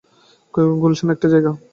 গুয়েলস্টোন একটা জায়গা।